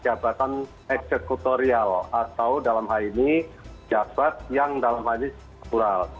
jabatan eksekutorial atau dalam hal ini jabat yang dalam hal ini